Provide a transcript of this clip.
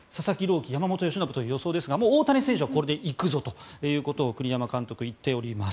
希山本由伸という予想ですが大谷選手はこれで行くぞということを栗山監督、言っております。